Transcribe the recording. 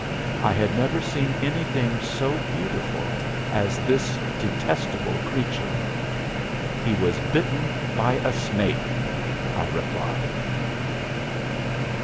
I had never seen anything so beautiful as this detestable creature. "He was bitten by a snake," I replied.